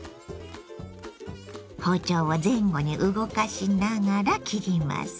包丁を前後に動かしながら切ります。